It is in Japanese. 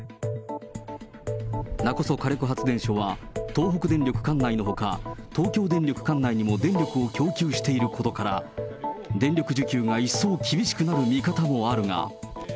勿来火力発電所は、東北電力管内のほか、東京電力管内にも電力を供給していることから、電力需給が一層厳しくなる見方もあるが。